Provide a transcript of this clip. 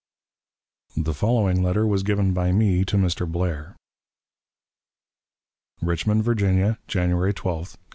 The following letter was given by me to Mr. Blair: "RICHMOND, VIRGINIA, _January 12, 1865.